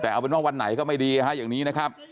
แต่เอาเป็นว่าวันไหนก็ไม่ดีอย่างนี้นะครับ